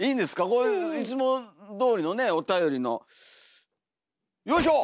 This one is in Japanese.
こういつもどおりのねおたよりのよいしょ！